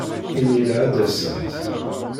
Imir-a ad d-asent.